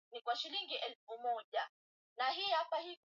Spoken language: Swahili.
zamani wa mambo ya ndani wa Ghana Tawia AdamafyoHuyu mtu amezima Bunge na